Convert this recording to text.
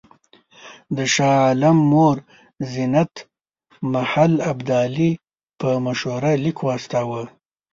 د شاه عالم مور زینت محل ابدالي په مشوره لیک واستاوه.